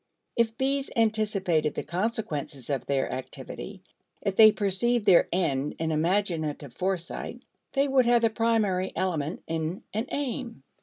If bees anticipated the consequences of their activity, if they perceived their end in imaginative foresight, they would have the primary element in an aim.